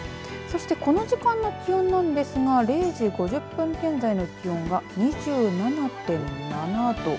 そして、この時間の気温なんですが０時５０分現在の気温は２７．７度。